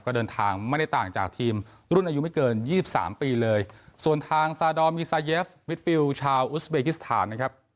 ก็เดินทางไม่ได้ต่างจากทีมรุ่นอายุไม่เกินยี่สิบสามปีเลยส่วนทางซาดอมมีซาเยฟมิดฟิลชาวอุสเบกิสถานนะครับ